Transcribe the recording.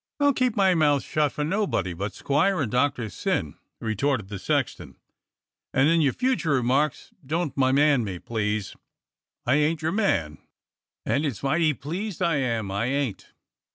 "I'll keep my mouth shut for nobody but squire and Doctor Syn," retorted the sexton, "and in your future remarks don't *my man' me, please. I ain't your man, and it's mighty pleased I am I ain't."